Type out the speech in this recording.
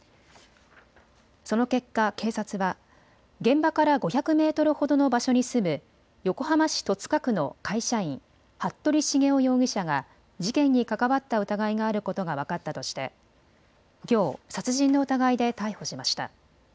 その結果、警察は現場から５００メートルほどの場所に住む横浜市戸塚区の会社員、服部繁雄容疑者が事件に関わった疑いがあることが分かったとしてきょう殺人の疑いで逮捕しました。